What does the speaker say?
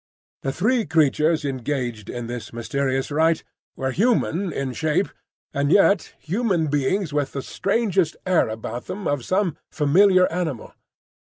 The three creatures engaged in this mysterious rite were human in shape, and yet human beings with the strangest air about them of some familiar animal.